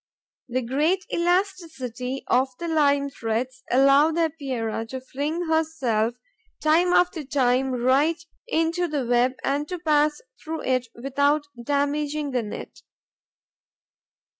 The great elasticity of the lime threads allows the Epeira to fling herself time after time right into the web and to pass through it without damaging the net.